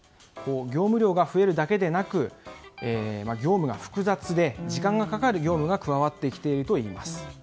業務量が増えるだけでなく複雑で時間がかかる業務が加わってきているといいます。